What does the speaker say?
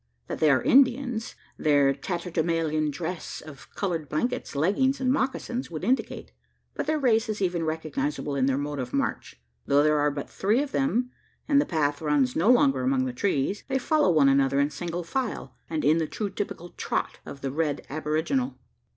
That they are Indians, their tatterdemalion dress of coloured blankets, leggings, and mocassins would indicate; but their race is even recognisable in their mode of march. Though there are but three of them, and the path runs no longer among trees, they follow one another in single file, and in the true typical "trot" of the red aboriginal.